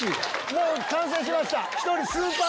もう完成しました。